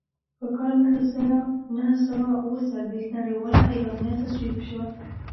په کال زر نهه سوه اووه څلوېښت نړیواله اعلامیه تصویب شوه.